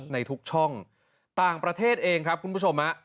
ในทุกช่องต่างประเทศเองครับคุณผู้ชม